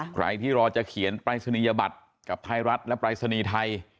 ใครที่รอจะเขียนปรายศนียบัตรกับไทยรัฐและปรายศนีย์ไทย